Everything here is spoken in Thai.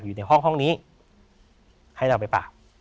อยู่ในห้องนี้ให้เราไปปาก